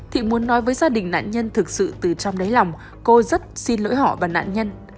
thị muốn nói với gia đình nạn nhân thực sự từ trong đấy lòng cô rất xin lỗi họ và nạn nhân